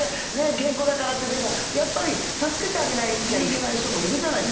健康だからってでもやっぱり助けてあげなきゃいけない人もいるじゃないですか。